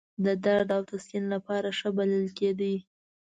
د درد او تسکین لپاره ښه بلل کېده.